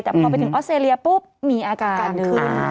แต่พอไปถึงออสเตรเลียปุ๊บมีอาการขึ้น